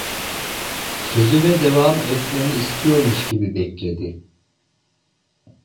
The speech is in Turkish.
Sözüme devam etmemi istiyormuş gibi bekledi.